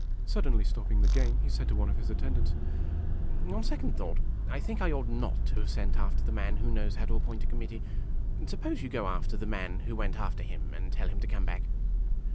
Suddenly stopping the game, he said to one of his attendants : "On second thought, I think I ought not to have sent after the man who knows how to appoint a committee. Suppose you go after the man who went after him, and tell him to come back."